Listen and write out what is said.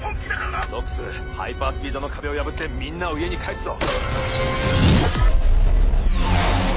ソックスハイパー・スピードの壁を破ってみんなを家に帰すぞ。